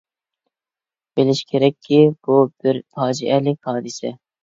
بىلىش كېرەككى بۇ بىر پاجىئەلىك ھادىسە!